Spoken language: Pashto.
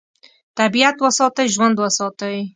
طبیعت وساتئ، ژوند وساتئ.